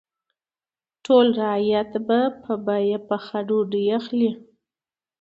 ټول رعیت به په بیه پخه ډوډۍ اخلي.